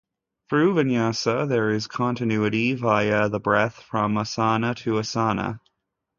Through vinyasa, there is continuity via the breath from asana to asana.